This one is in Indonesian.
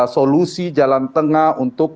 solusi jalan tengah untuk